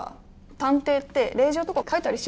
探偵って令状とか書いたりしないの？